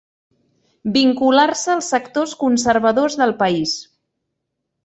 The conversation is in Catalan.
Vincular-se als sectors conservadors del país.